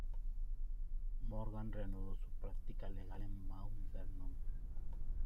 Morgan reanudó su práctica legal en Mount Vernon.